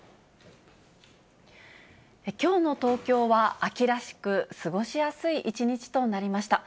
きょうの東京は秋らしく、過ごしやすい一日となりました。